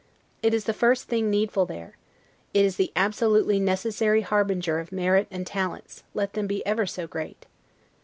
It is the first thing needful there: It is the absolutely necessary harbinger of merit and talents, let them be ever so great.